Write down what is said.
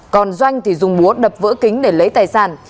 còn doanh thì dùng búa đập vỡ kính để lấy tài sản